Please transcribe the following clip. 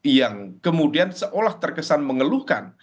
yang kemudian seolah terkesan mengeluhkan